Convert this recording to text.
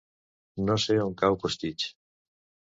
No sé on cau Costitx.